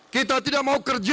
kita tidak mau kerja